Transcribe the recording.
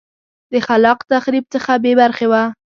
د خلاق تخریب څخه بې برخې وه